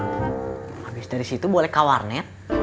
habis dari situ boleh ke warnet